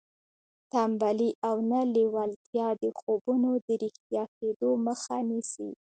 تنبلي او نه لېوالتیا د خوبونو د رښتیا کېدو مخه نیسي